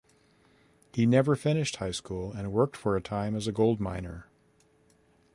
He never finished high school and worked for a time as a gold miner.